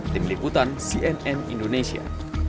dibilikutan cnn indonesia